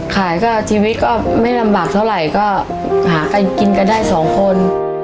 ขายก็ชีวิตก็ไม่ลำบากเท่าไหร่ก็หากันกินกันได้สองคน